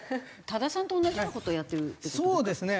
多田さんと同じような事をやってるって事ですか？